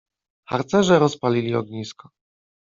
harcerze rozpalli ognisko